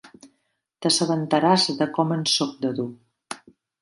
T'assabentaràs de com en soc de dur.